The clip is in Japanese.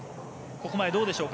ここまでどうでしょうか。